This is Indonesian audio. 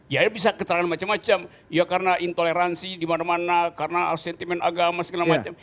ya bisa keterangan macam macam ya karena intoleransi di mana mana karena sentimen agama segala macam